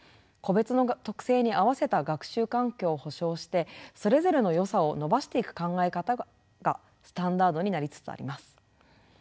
個別の特性に合わせた学習環境を保障してそれぞれのよさを伸ばしていく考え方がスタンダードになりつつあります。